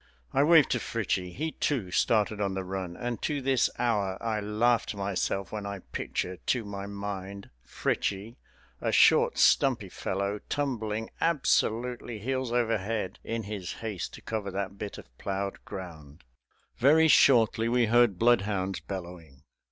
I waved to Fritchie; he, too, started on the run, and to this hour I laugh to myself when I picture to my mind Fritchie, a short, stumpy fellow, tumbling absolutely heels over head in his haste to cover that bit of plowed ground. Very shortly we heard bloodhounds bellowing.